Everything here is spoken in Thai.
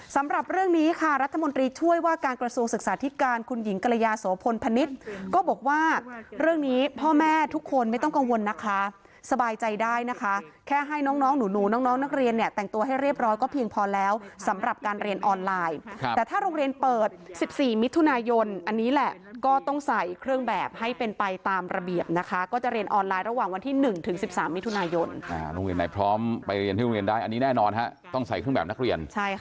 สำหรับเรื่องนี้ค่ะรัฐมนตรีช่วยว่าการกระทรวงศึกษาทิศการคุณหญิงกระยะสวพลพณิชย์ก็บอกว่าเรื่องนี้พ่อแม่ทุกคนไม่ต้องกังวลนะคะสบายใจได้นะคะแค่ให้น้องหนูน้องนักเรียนเนี่ยแต่งตัวให้เรียบร้อยก็เพียงพอแล้วสำหรับการเรียนออนไลน์แต่ถ้าโรงเรียนเปิด๑๔มิถุนายนอันนี้แหละก็ต้องใส